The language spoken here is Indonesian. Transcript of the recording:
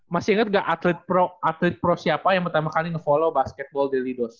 masih inget gak atlet pro siapa yang pertama kali ngefollow basketball daily dose